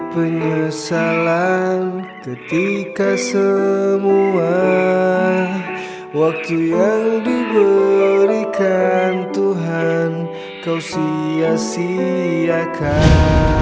penyesalan ketika semua waktu yang diberikan tuhan kau sia siakan